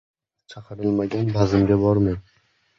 • Chaqirilmagan bazmga borma.